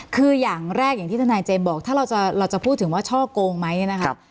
คืออย่างแรกอย่างที่ทนายเจมส์บอกถ้าเราจะพูดถึงว่าช่อโกงไหมเนี่ยนะครับ